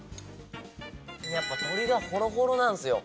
やっぱ鶏がホロホロなんすよ